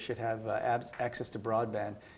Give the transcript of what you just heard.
harus mendapatkan akses ke broadband